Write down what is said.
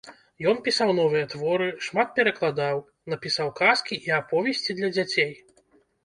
Ён пісаў новыя творы, шмат перакладаў, напісаў казкі і аповесці для дзяцей.